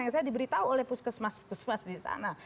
yang saya diberitahu oleh puskesmas puskesmas di sana